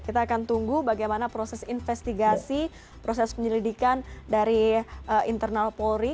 kita akan tunggu bagaimana proses investigasi proses penyelidikan dari internal polri